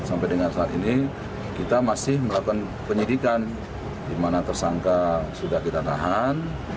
sampai dengan saat ini kita masih melakukan penyidikan di mana tersangka sudah kita tahan